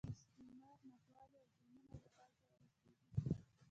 د استعمار ناخوالې او ظلمونه به پای ته ورسېږي.